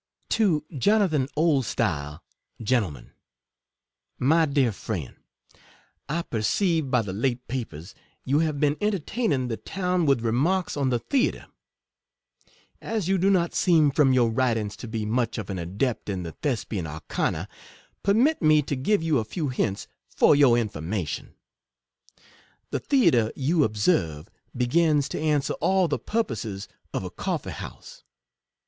To Jonathan Oldstylk, Genl. My Dear Friend, I perceive by the late papers, you have been entertaining the town with remarks on the Theatre. As you do not seem from your writings to be much of an adept in the Thes pian arcana, permit me to give you a few hints for your information. The Theatre, you observe, begins to an swer all the purposes of a coffee house.